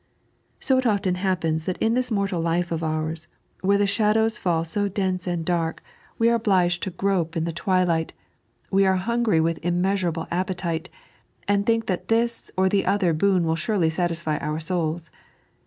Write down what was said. So it often happens that in this mortal life of ours, where the shadows fall so dense and dark, and we are obliged to grope 3.n.iized by Google A Mistaken Fbateb. 177 in the twilight, we are hungry with inuneeaurable appetite, and think that this or the other boon will surely satisfy our bouIb.